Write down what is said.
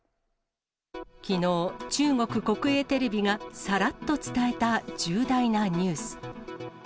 きのう、中国国営テレビがさらっと伝えた重大なニュース。